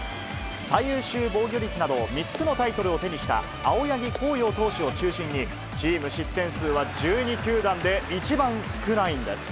最優秀防御率など、３つのタイトルを手にした青柳晃洋投手を中心に、チーム失点数は１２球団で一番少ないんです。